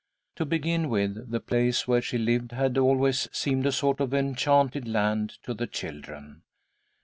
To begin with, the place where she lived had always seemed a sort of enchanted land to the children.